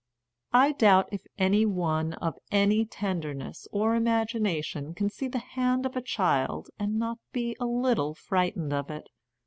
I doubt if any one of any tenderness or imagination can see the hand of a child and not be a little frightened of it.